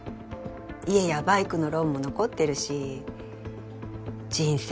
家やバイクのローンも残ってるし人生